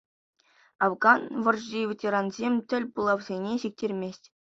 Афган вӑрҫин ветеранӗсен тӗл пулӑвӗсене сиктермест.